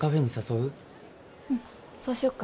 うんそうしよっか